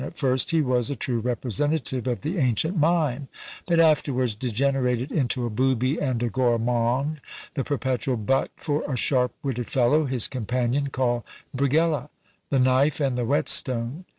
At first he was a true representative of the ancient Mime, but afterwards degenerated into a booby and a gourmand, the perpetual butt for a sharp witted fellow, his companion, called Brighella; the knife and the whetstone.